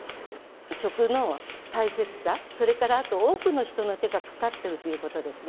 食の大切さ、それからあと、多くの人の手がかかっているということですね。